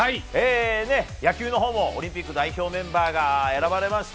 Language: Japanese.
野球のほうもオリンピック代表メンバーが選ばれました。